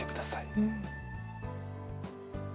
うん。